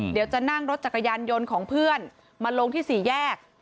เดี๋ยวจะนั่งรถจักรยานยนต์ของเพื่อนมาลงที่สี่แยก